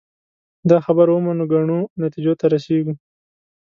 دا خبره ومنو ګڼو نتیجو ته رسېږو